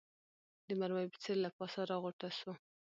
د مرمۍ په څېر له پاسه راغوټه سو